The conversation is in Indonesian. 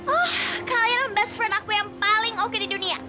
oh kalian best front aku yang paling oke di dunia